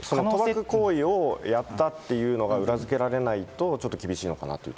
賭博行為をやったというのが裏付けられないとちょっと厳しいのかなと。